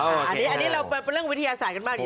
อันนี้เราเป็นเรื่องวิทยาศาสตร์กันบ้าง